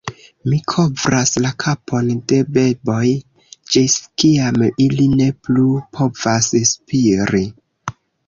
"Mi kovras la kapon de beboj ĝis kiam ili ne plu povas spiri."